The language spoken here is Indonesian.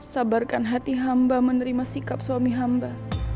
sabarkan hati hamba menerima sikap suami hamba